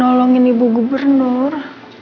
mau nolongin ibu gubernur